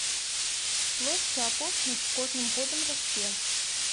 Плошча апошніх з кожным годам расце.